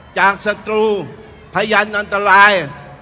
จากสกรูพยานอันตราย